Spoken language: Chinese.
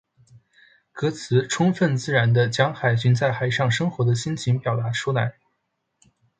歌词充分自然地将海军在海上生活的心情表达出来。